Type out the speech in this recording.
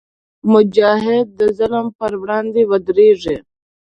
مجاهد د ظلم پر وړاندې ودریږي.